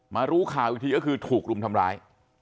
มารู้ข่าววิธีก็คือถูกรุ่มทำร้าย